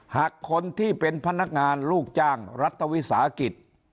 หากคนที่เป็นพนักงานลูกจ้างรัฐวิสาหกิจ